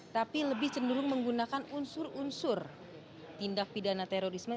tapi lebih cenderung menggunakan unsur unsur tindak pidana terorisme